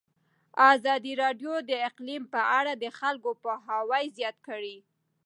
ازادي راډیو د اقلیم په اړه د خلکو پوهاوی زیات کړی.